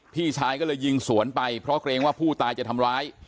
พี่ชายก็เลยยิงสวนไปเพราะเกรงว่าผู้ตายจะทำร้าย